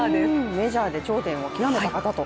メジャーで頂点を極めた方と。